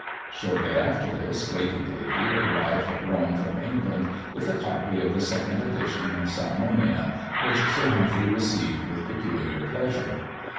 Shortly after this, Lady Davy arrived at Rome from England, with a copy of the second edition of Salmonia, which Sir Humphry received with peculiar pleasure.